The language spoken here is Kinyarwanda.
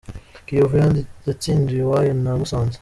Kiyovu yatsindiwe iwayo na Musanze